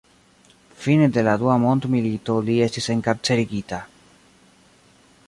Fine de la dua mondmilito li estis enkarcerigita.